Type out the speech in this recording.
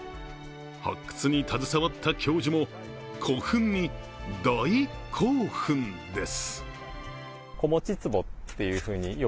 発掘に携わった教授も古墳に大コーフンです。